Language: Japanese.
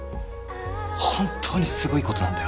本当にすごいことなんだよ